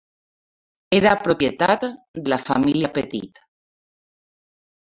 Era propietat de la família Petit.